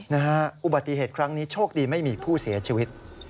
นะฮะอุบัติเหตุครั้งนี้โชคดีไม่มีผู้เสียชีวิต